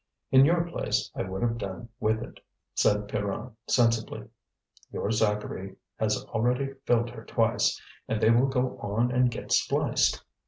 "In your place I would have done with it," said Pierronne, sensibly. "Your Zacharie has already filled her twice, and they will go on and get spliced.